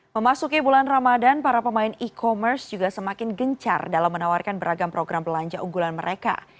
memasuki bulan ramadan para pemain e commerce juga semakin gencar dalam menawarkan beragam program belanja unggulan mereka